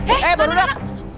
eh baru dah